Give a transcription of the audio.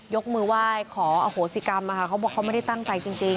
ยกมือไหว้ขออโหสิกรรมนะคะเขาบอกเขาไม่ได้ตั้งใจจริง